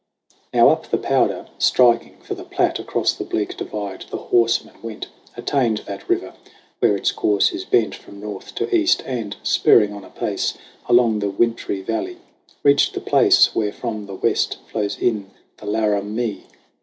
Now up the Powder, striking for the Platte Across the bleak divide the horsemen went ; Attained that river where its course is bent From north to east : and spurring on apace Along the wintry valley, reached the place Where from the west flows in the Laramie.